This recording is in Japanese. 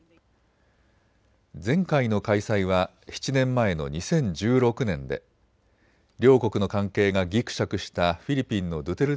前回の開催は７年前の２０１６年で両国の関係が、ぎくしゃくしたフィリピンのドゥテルテ